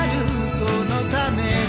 「そのために」